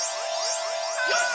よし！